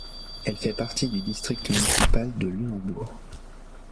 Elle fait partie du district municipal de Lunenburg.